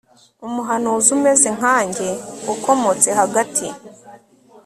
umuhanuzi umeze nkanjye ukomotse hagati